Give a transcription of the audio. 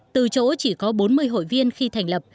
từ chỗ chỉ có bốn mươi hội viên khi thành lập